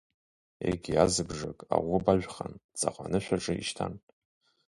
Егьи азыбжак, аӷәы бажәхан, ҵаҟа анышә аҿы ишьҭан.